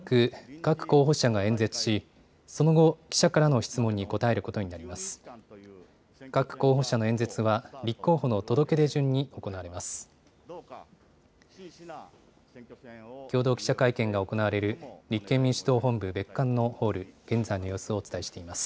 各候補者の演説は立候補の届け出順に行われます。